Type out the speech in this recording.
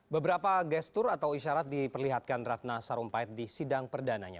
beberapa gestur atau isyarat diperlihatkan ratna sarumpait di sidang perdananya